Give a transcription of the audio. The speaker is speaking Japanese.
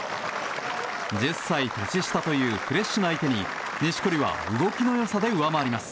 １０歳年下というフレッシュな相手に錦織は動きの良さで上回ります。